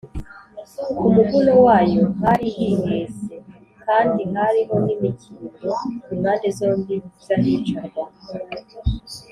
ku muguno wayo hari hihese kandi hariho n’imikindo impande zombi z’ahicarwa